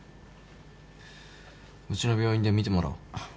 うちの病院で診てもらおう。